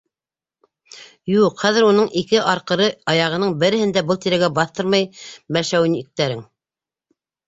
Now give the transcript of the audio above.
Юҡ, хәҙер уның ике арҡыры аяғының береһен дә был тирәгә баҫтырмай бәлшәүниктәрең.